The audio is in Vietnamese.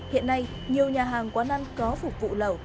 hiện nay nhiều nhà hàng quán ăn có phục vụ lẩu